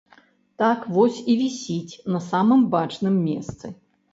Так вось і вісіць на самым бачным месцы.